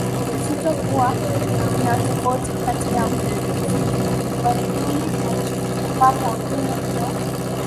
Uzito huwa kuna utofauti kati ya uzito wa dume na jike ambapo dume huwa